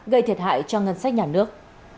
gây thiệt hại cho ngân sách nhà nước